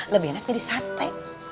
lebih enak jadi sate